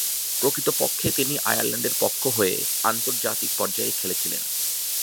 প্রকৃতপক্ষে তিনি আয়ারল্যান্ডের পক্ষ হয়ে আন্তর্জাতিক পর্যায়ে খেলেছিলেন।